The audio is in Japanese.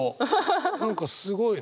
何かすごいね。